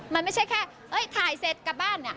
มันไม่ใช่แค่ถ่ายเสร็จกลับบ้าน